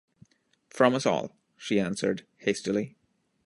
“From us all,” she answered hastily.